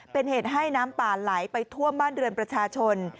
เป็นเหตุให้น้ำป่าไหลไปท่วมบ้านเรือนประชาชน